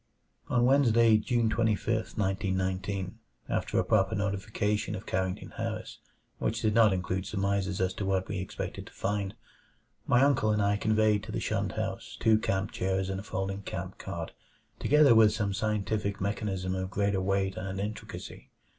4 On Wednesday, June 25, 1919, after a proper notification of Carrington Harris which did not include surmises as to what we expected to find, my uncle and I conveyed to the shunned house two camp chairs and a folding camp cot, together with some scientific mechanism of greater weight and intricacy.